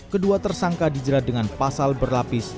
kedua tersangka dijerat dengan pasal berlapis